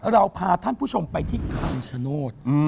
เราพาท่านผู้ชมไปที่คำชโนธ